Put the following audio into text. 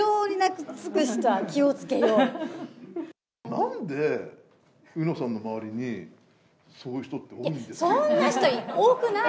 なんで、うのさんの周りに、そういう人って多い？